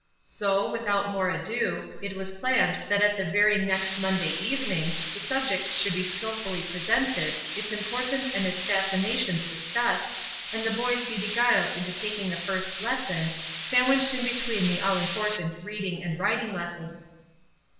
So, without more ado, it was planned that at the very next Monday evening the subject should be skilfully presented, its importance and its fascinations discussed, and the boys be beguiled into taking a first lesson, sandwiched in between the all important reading and writing lessons.